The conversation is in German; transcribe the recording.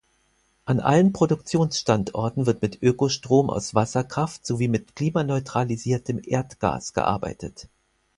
An allen Produktionsstandorten wird mit Ökostrom aus Wasserkraft sowie mit klimaneutralisiertem Erdgas gearbeitet.